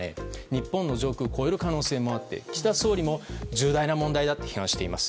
日本の上空を越える可能性もあって岸田総理も重大な問題だと批判しています。